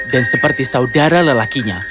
dan seperti saudara lelakinya